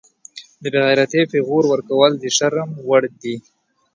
د بیغیرتۍ پیغور ورکول د شرم وړ دي